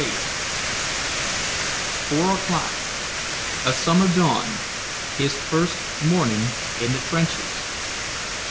VIII Four o'clock... a summer dawn... his first morning in the trenches.